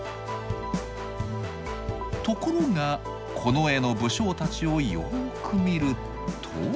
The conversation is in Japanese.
ところがこの絵の武将たちをよく見ると。